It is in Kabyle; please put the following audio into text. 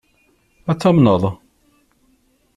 Ad t-tamneḍ?